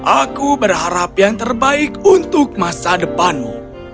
aku berharap yang terbaik untuk masa depanmu